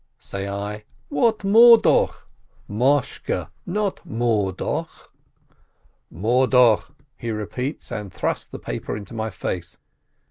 Say I, "What Morduch ? Moshke, not Morduch !" "Morduch !" he repeats, and thrusts the paper into my face.